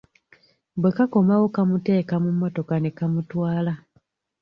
Bwe kakomawo kamuteeka mu mmotoka ne kamutwala.